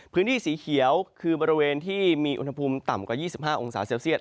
พื้นที่สีเขียวคือบริเวณที่มีอุณหภูมิต่ำกว่า๒๕องศาเซลเซียต